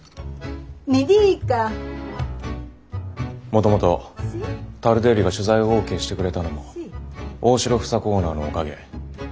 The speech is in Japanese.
もともとタルデッリが取材をオーケーしてくれたのも大城房子オーナーのおかげ。